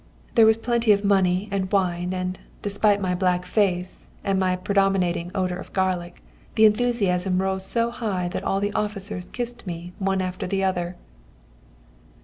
There was plenty of money and wine, and, despite my black face and my predominating odour of garlic, the enthusiasm rose so high that all the officers kissed me one after the other."